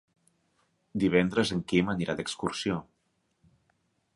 Divendres en Quim anirà d'excursió.